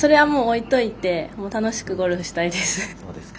それは置いておいて楽しくプレーしたいです。